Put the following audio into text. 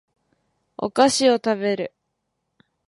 お菓子を食べる